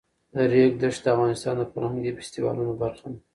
د ریګ دښتې د افغانستان د فرهنګي فستیوالونو برخه ده.